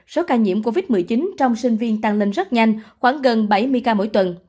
số ca nhiễm covid một mươi chín trong sinh viên tăng lên rất nhanh khoảng gần bảy mươi ca mỗi tuần